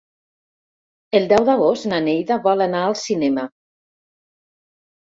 El deu d'agost na Neida vol anar al cinema.